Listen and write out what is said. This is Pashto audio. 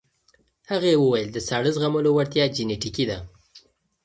هغې وویل د ساړه زغملو وړتیا جینیټیکي ده.